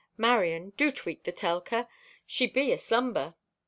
Marion, do tweak the Telka—she be aslumber."